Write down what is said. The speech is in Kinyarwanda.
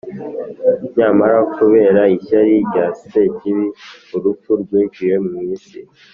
nyamara kubera ishyari rya Sekibi, urupfu rwinjiye mu isi,